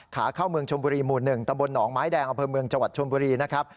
ขาเข้าเมืองชมบุรีหมู่๑ตำบลหนองไม้แดงอำเภอเมืองจังหวัดชนบุรีนะครับ